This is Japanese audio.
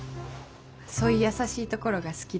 そういう優しいところが好きだけど。